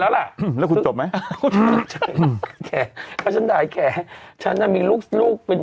แล้วล่ะแล้วคุณจบไหมแขถ้าฉันได้แขฉันจะมีลูกเป็น